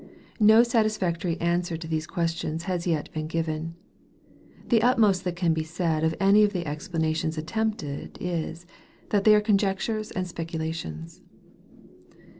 No satisfactory answer to these questions has yet been given. The utmost that can be said of any of the explanations attempted, is, that they are conjectures and speculations.